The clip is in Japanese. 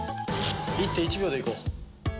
一手１秒でいこう。